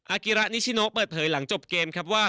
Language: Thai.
กิระนิชิโนเปิดเผยหลังจบเกมครับว่า